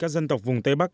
các dân tộc vùng tây bắc